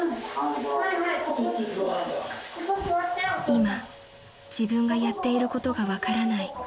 ［今自分がやっていることが分からない］